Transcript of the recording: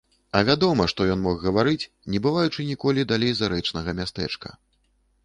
А вядома, што ён мог гаварыць, не бываючы ніколі далей зарэчнага мястэчка.